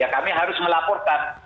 ya kami harus melaporkan